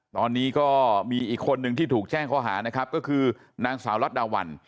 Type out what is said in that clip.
ตอนนี้ก็มีอีกคนนึงที่ถูกแจ้งข้อหานะครับก็คือนางสาวรัฐดาวัน